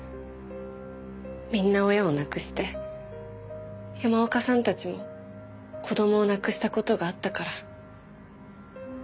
みんな親を亡くして山岡さんたちも子供を亡くした事があったから。